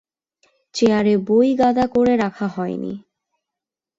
চেয়ারে বই গাদা করে রাখা হয় নি।